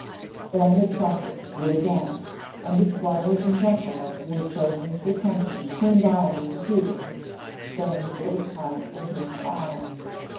Then the trumpets blew again, and the squires and gentlemen who were chosen to attend him came bowing to Peter, and saying that it was time for him to arm.